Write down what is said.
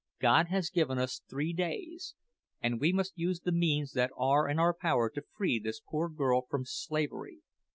God has given us three days, and we must use the means that are in our power to free this poor girl from slavery.